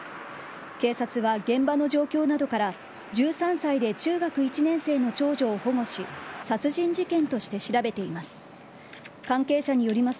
警察は現場の状況などから１３歳で中学１年生の長女を保護し殺人事件として調べています。